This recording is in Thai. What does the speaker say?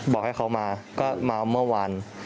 บอกให้เขามาก็มาเมื่อวาน